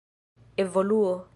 evoluo